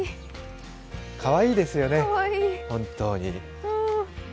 かわいいですよね、本当に。